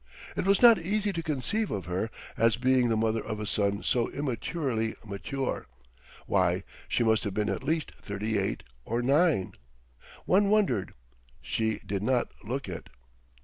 It was not easy to conceive of her as being the mother of a son so immaturely mature. Why, she must have been at least thirty eight or nine! One wondered; she did not look it....